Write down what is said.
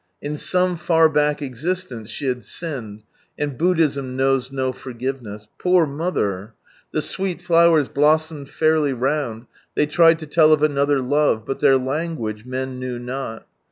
In some far back existence she had sinned, and Buddhism knows no forgiveness. Poor mother! The sweet flowers blossomed fairly round, they tried to tell of another Love, but their language men knew not.